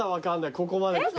ここまで来て。